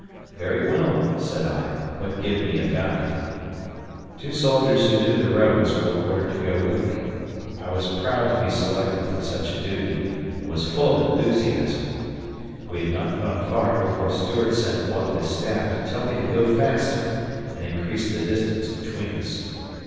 "Very well," said I, "but give me a guide." Two soldiers who knew the roads were ordered to go with me. I was proud to be selected for such a duty and was full of enthusiasm. We had not gone far before Stuart sent one of his staff to tell me to go faster and increase the distance between us.